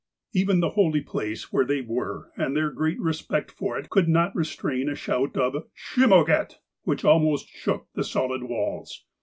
even the holy place where they were, and their great respect for it, could not restrain a shout of: '' Shimauget !" which almost shook the solid walls.